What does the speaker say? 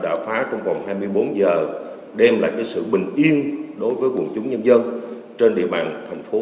đã phá trong vòng hai mươi bốn giờ đem lại sự bình yên đối với quần chúng nhân dân trên địa bàn thành phố